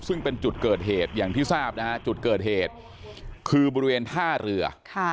ซึ่งเป็นจุดเกิดเหตุอย่างที่ทราบนะฮะจุดเกิดเหตุคือบริเวณท่าเรือ